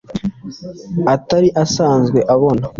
atari asanzwe abona